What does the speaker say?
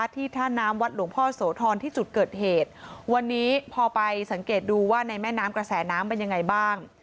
ที่ท่าน้ำวัดหลวงพ่อโสธรที่จุดเกิดเหตุวันนี้พอไปสังเกตดูว่าในแม่น้ำกระแสน้ำเป็นยังไงบ้าง